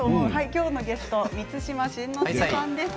きょうのゲストは満島真之介さんです。